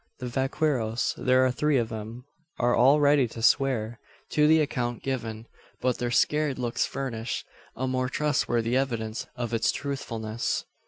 The vaqueros there are three of them are all ready to swear to the account given. But their scared looks furnish a more trustworthy evidence of its truthfulness.